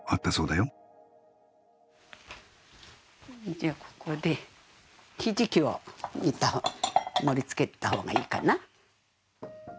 じゃあここでひじきを一旦盛りつけたほうがいいかな。